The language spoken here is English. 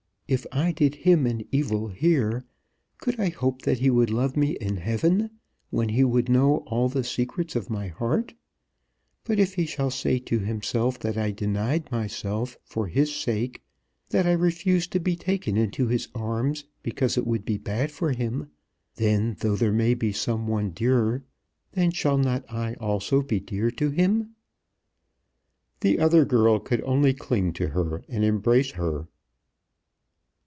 If I did him an evil here, could I hope that he would love me in Heaven, when he would know all the secrets of my heart? But if he shall say to himself that I denied myself, for his sake; that I refused to be taken into his arms because it would be bad for him, then, though there may be some one dearer, then shall not I also be dear to him?" The other girl could only cling to her and embrace her.